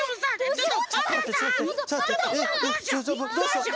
ちょっと。